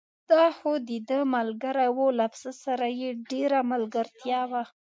دا خو دده ملګری و، له پسه سره یې ډېره ملګرتیا وه.